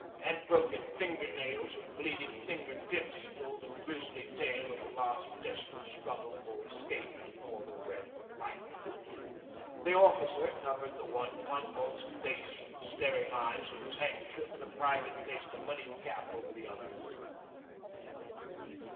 . and broken finger nails and bleeding finger tips told a grisly tale of the last desperate struggle for escape and for the breath of life. The officer covered the one convulsed face and starting eyes with his handkerchief, and a private placed a muddy cap over the other.